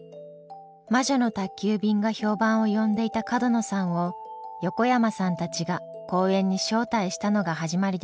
「魔女の宅急便」が評判を呼んでいた角野さんを横山さんたちが講演に招待したのが始まりでした。